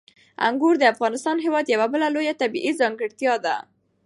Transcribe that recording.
انګور د افغانستان هېواد یوه بله لویه طبیعي ځانګړتیا ده.